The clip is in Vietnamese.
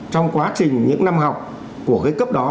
trong quá trình những năm học của cái cấp đó